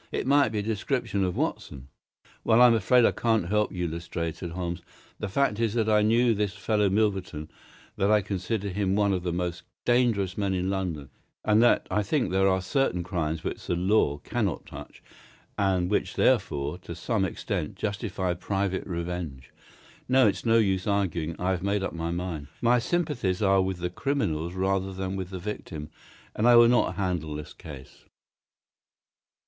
"It might be a description of Watson." "Well, I am afraid I can't help you, Lestrade," said Holmes. "The fact is that I knew this fellow Milverton, that I considered him one of the most dangerous men in London, and that I think there are certain crimes which the law cannot touch, and which therefore, to some extent, justify private revenge. No, it's no use arguing. I have made up my mind. My sympathies are with the criminals rather than with the victim, and I will not handle this case."